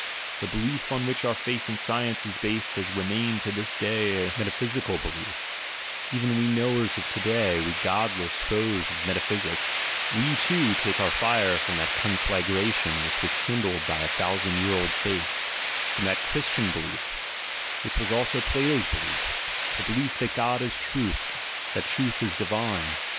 The belief on which our faith in science is based has remained to this day a metaphysical belief — even we knowers of to day, we godless foes of metaphysics, we, too, take our fire from that conflagration which was kindled by a thousand year old faith, from that Christian belief, which was also Plato's belief, the belief that God is truth, that truth is divine.